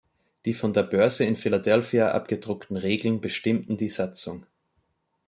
Die von der Börse in Philadelphia abgedruckten Regeln bestimmten die Satzung.